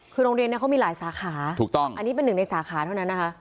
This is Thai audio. คือโรงเรียนเนี่ยเขามีหลายสาขาถูกต้องอันนี้เป็นหนึ่งในสาขาเท่านั้นนะคะ